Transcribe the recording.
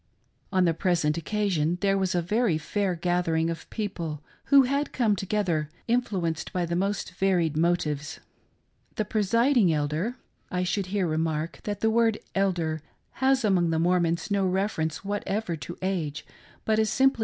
On the present occasion there was a very fair gathering of people, who had come together influenced by the mosfe varied motives. The Presiding Elder — I should here remark that the word " Elder" has among the Mormons no reference whatever to age, but is simply.